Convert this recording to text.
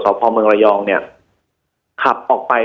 วันนี้แม่ช่วยเงินมากกว่า